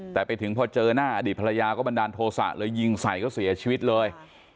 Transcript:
แต่ไปถึงพอเจอหน้าอดีตภรรยาก็บันดาลโทษะเลยยิงใส่เขาเสียชีวิตเลย